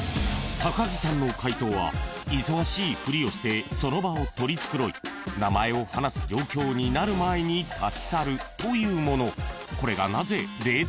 ［木さんの解答は忙しいふりをしてその場を取り繕い名前を話す状況になる前に立ち去るというもの］